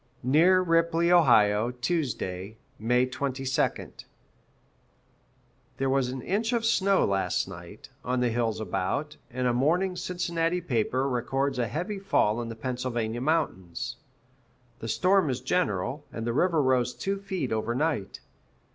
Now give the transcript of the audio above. Near Ripley, O., Tuesday, May 22nd. There was an inch of snow last night, on the hills about, and a morning Cincinnati paper records a heavy fall in the Pennsylvania mountains. The storm is general, and the river rose two feet over night.